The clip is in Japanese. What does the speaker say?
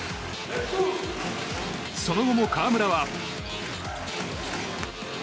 その後も河村は。